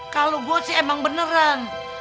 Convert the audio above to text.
kalau gue sih emang beneran